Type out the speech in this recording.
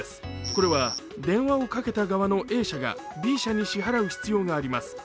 これは電話をかけた側のＡ社がＢ社に支払う必要があります。